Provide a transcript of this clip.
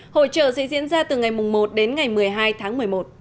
hội trợ sẽ diễn ra từ ngày một đến ngày một mươi hai tháng một mươi một